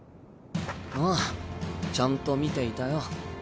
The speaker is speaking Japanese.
ああちゃんと見ていたよ。